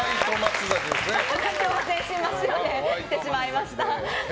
今日は全身真っ白で来てしまいました。